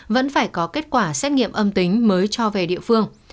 vẫn phải có kết quả xét nghiệm âm tính mới cho về địa phương